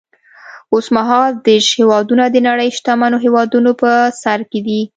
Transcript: اوس مهال دېرش هېوادونه د نړۍ شتمنو هېوادونو په سر کې دي.